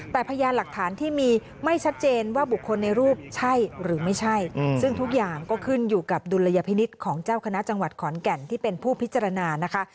แต่พยานหลักฐานที่มีไม่ชัดเจนว่าบุคคลในรูปใช่หรือไม่ใช่ซึ่งทุกอย่างก็ขึ้นอยู่กับดุลยพินิษฐ์ของเจ้าคณะจังหวัดขอนแก่นที่เป็นผู้พิจารณานะคะ